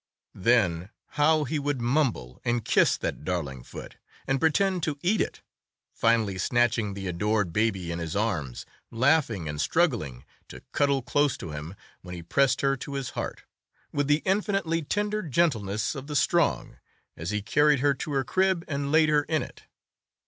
Then how he would mumble and kiss that darling foot, and pretend to eat it, finally snatching the adored baby in his arms, laughing and struggling, to cuddle close to him when he pressed her to his heart, with the infinitely tender gentleness of the strong, as he carried her to her crib and laid her in it.